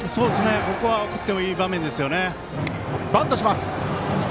ここは送ってもいい場面ですね。